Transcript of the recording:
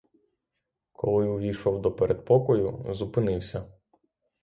Коли увійшов до передпокою, зупинився.